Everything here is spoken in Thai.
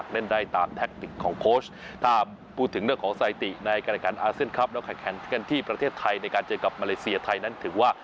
แล้วแข่งขันที่ประเทศไทยในการเจอกับมาเลเซียไทยนั้นถึงว่า